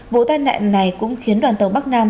vụ tai nạn này cũng khiến đoàn tàu bắc nam